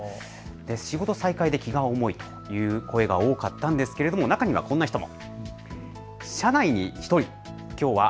仕事再開で気が重いという声が多かったんですが中にはこんな人も。